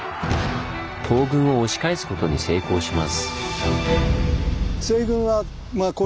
東軍を押し返すことに成功します。